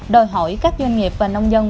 đòi hỏi các doanh nghiệp và nông dân